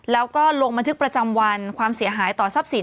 แล้วก็ลงบันทึกประจำวันความเสียหายต่อทรัพย์สิน